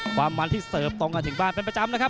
ความมันที่เสิร์ฟตรงกันถึงบ้านเป็นประจำนะครับ